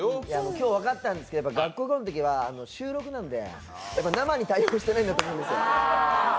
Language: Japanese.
今日分かったんですけど「学校へ行こう！」は収録なんで生に対応してないんだと思うんですよ。